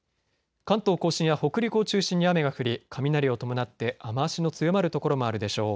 関東甲信や北陸を中心に雨が降り雷を伴って雨足の強まる所もあるでしょう。